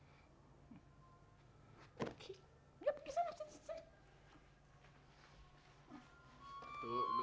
iya pergi sana sini sini